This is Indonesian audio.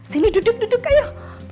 sini duduk duduk ayo